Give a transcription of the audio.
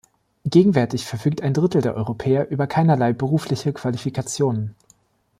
Gegenwärtig verfügt ein Drittel der Europäer über keinerlei berufliche Qualifikationen.